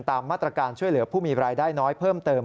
ตามมาตรการช่วยเหลือผู้มีรายได้น้อยเพิ่มเติม